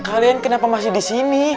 kalian kenapa masih disini